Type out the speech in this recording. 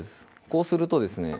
こうするとですね